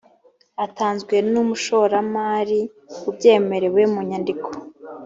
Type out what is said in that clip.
atanzwe n’ umushoramari ubyemerewe mu nyandiko